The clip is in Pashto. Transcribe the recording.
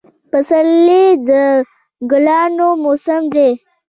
پسرلی د ګلانو موسم دی